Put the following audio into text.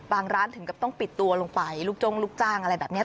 ร้านถึงกับต้องปิดตัวลงไปลูกจ้งลูกจ้างอะไรแบบนี้